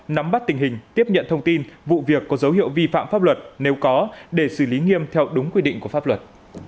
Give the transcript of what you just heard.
nắm bắt tình hình tiếp nhận thông tin vụ việc có dấu hiệu vi phạm pháp luật nếu có để xử lý nghiêm theo đúng quy định của pháp luật